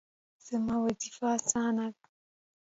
زما وظیفه اسانه ده